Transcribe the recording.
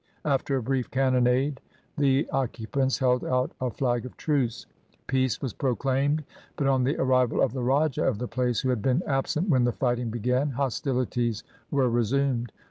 After a brief cannonade the occupants held out a flag of truce. Peace was pro claimed, but on the arrival of the raja of the place, who had been absent when the fighting began, hostilities were resumed.